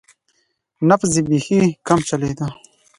نبض یې بیخي کم چلیده.